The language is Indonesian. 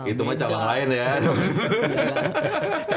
itu mah cabang lain ya